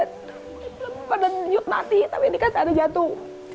dan yuk nanti tapi ini kan sudah ada jatuh